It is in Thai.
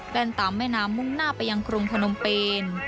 ตามแม่น้ำมุ่งหน้าไปยังกรุงพนมเปน